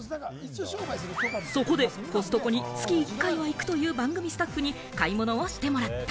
そこで、コストコに月１回は行くという番組スタッフに買い物をしてもらった。